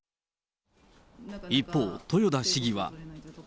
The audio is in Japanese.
一方、豊田市議は。